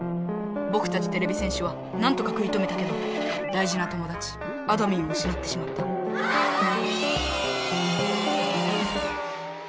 ぼくたちてれび戦士はなんとか食い止めたけどだいじな友だちあどミンをうしなってしまったあどミーン！